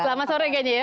selamat sore kayaknya ya